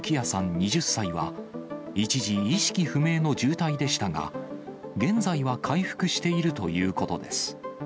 ２０歳は、一時、意識不明の重体でしたが、現在は回復しているということです。